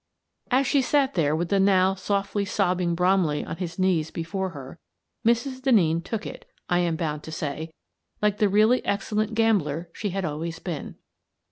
As she sat there with the now softly sobbing Bromley on his knees before her, Mrs. Denneen took it, I am bound to say, like the really excellent gambler she had always been.